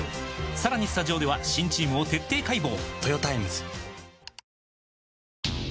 さらにスタジオでは新チームを徹底解剖！